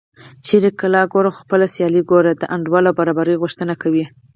چېرې کلاله ګوره خو خپله سیاله ګوره د انډول او برابرۍ غوښتنه کوي